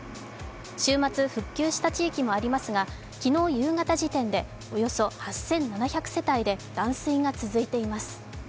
週末、復旧した地域もありますが昨日夕方時点でおよそ８７００世帯で断水が続いています。